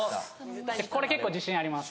これ結構自信あります